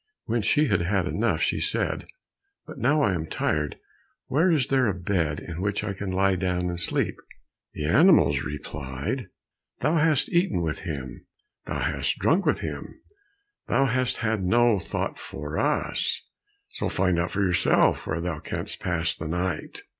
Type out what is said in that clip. When she had had enough, she said, "But now I am tired, where is there a bed in which I can lie down, and sleep?" The animals replied, "Thou hast eaten with him, Thou hast drunk with him, Thou hast had no thought for us, So find out for thyself where thou canst pass the night."